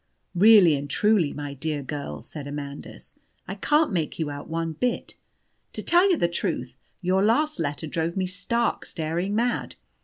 "Really and truly, my dear girl," said Amandus, "I can't make you out one bit. To tell you the real truth, your last letter drove me stark, staring mad.